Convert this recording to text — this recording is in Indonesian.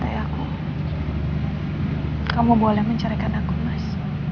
tapi tayaku kamu boleh mencarikan aku mas